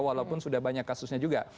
walaupun sudah banyak kasusnya juga